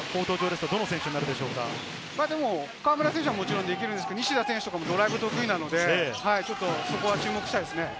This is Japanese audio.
縦の動きが得意なのは河村選手はもちろんできるんですけど西田選手もドライブが得意なので、そこは注目したいですね。